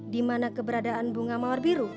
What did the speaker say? dimana keberadaan bunga mawar biru